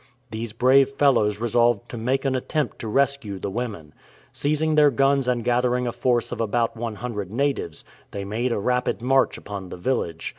These brave fellows resolved to make an attempt to rescue the women. Seizing their guns and gathering a force of about 100 natives, they made a rapid march upon the village.